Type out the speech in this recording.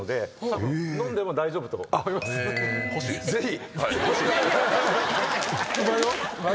ぜひ。